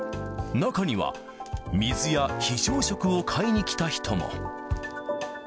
中には、水や非常食を買いに来た人も。